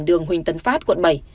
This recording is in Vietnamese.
đường huỳnh tấn phát quận bảy